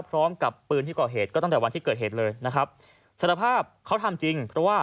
พร้อมกับปืนที่เกราะเหตุตั้งแต่วันที่เกิดเหตุเสื่อประธาภาพเขาทราบจริง